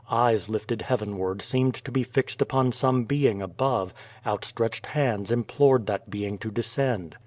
Eyes lifted heavenward seemed to be fixed upon some being above, outstretched hands implored that being to de scend.